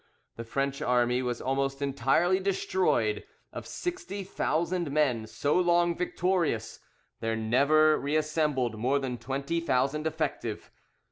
The French army was almost entirely destroyed: of sixty thousand men, so long victorious, there never reassembled more than twenty thousand effective.